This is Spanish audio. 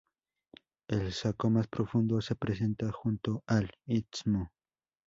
El saco más profundo se presenta junto al istmo.